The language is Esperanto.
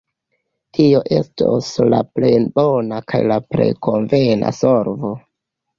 Tio estos la plej bona kaj la plej konvena solvo.